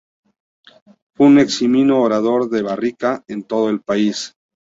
Fue un eximio orador de barricada en todo el país.